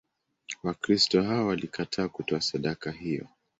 Wakristo hao walikataa kutoa sadaka hiyo.